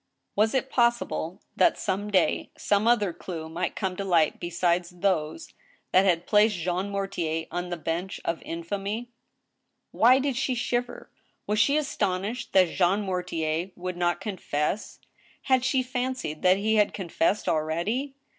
Was it possible that, some day, some other clew might come to light besides those that had placed Jean Mortier on the " bench of in famy "? Why did she shiver? Was she astonished that Jean Mortier would not confess ? Had she fancied that he had confessed already